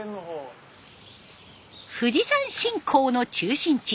富士山信仰の中心地。